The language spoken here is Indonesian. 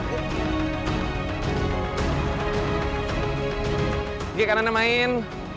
oke kanan an main